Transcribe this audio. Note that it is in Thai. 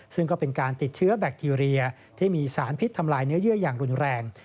ซึ่งก็เป็นการติดเชื้อแบคทีเรียที่มีสารพิษทำลายเนื้อเยื่ออย่างรุนแรง